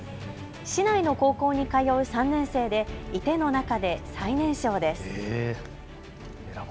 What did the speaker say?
市内の高校に通う３年生で射手の中で最年少です。